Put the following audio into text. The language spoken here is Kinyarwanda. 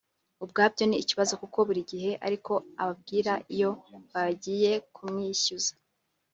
ubwabyo ni kibazo kuko buri gihe ari ko ababwira iyo bagiye kumwishyuza